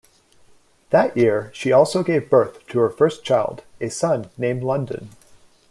That year, she also gave birth to her first child, a son named London.